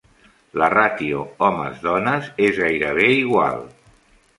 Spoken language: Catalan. La ràtio homes-dones és gairebé igual.